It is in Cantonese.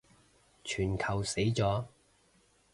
全球死咗